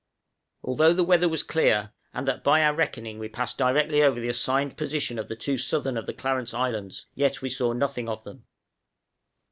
Although the weather was clear, and that by our reckoning we passed directly over the assigned position of the two southern of the Clarence Islands, yet we saw nothing of them.